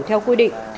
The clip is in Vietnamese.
theo quy định